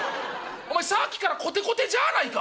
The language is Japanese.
お前さっきからコテコテじゃあないか」。